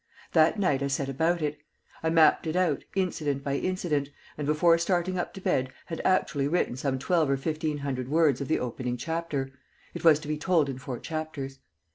That night I set about it. I mapped it out, incident by incident, and before starting up to bed had actually written some twelve or fifteen hundred words of the opening chapter it was to be told in four chapters.